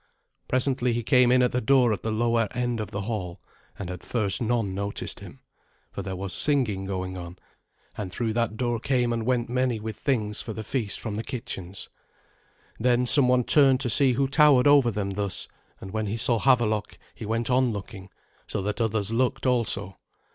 Presently he came in at the door at the lower end of the hall, and at first none noticed him, for there was singing going on, and through that door came and went many with things for the feast from the kitchens. Then some one turned to see who towered over them thus, and when he saw Havelok he went on looking, so that others looked also.